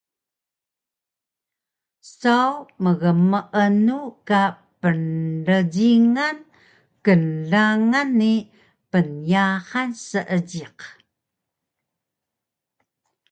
Saw mgmeenu ka pnrjingan knglangan ni pnyahan seejiq